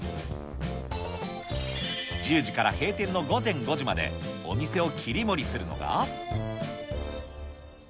１０時から閉店の午前５時まで、お店を切り盛りするのが。